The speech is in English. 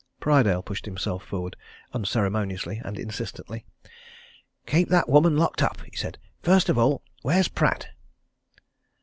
Prydale pushed himself forward unceremoniously and insistently. "Keep that woman locked up!" he said. "First of all where's Pratt?"